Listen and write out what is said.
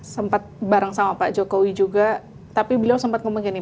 sempat bareng sama pak jokowi juga tapi beliau sempat ngomong gini